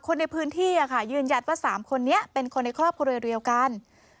คนในพื้นที่ยืนยันว่า๓คนนี้เป็นคนในครอบครัวเดียวกัน